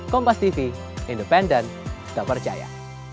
kompastv independen tak percaya